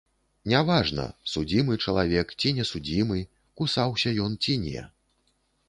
Не важна, судзімы чалавек, ці не судзімы, кусаўся ён ці не.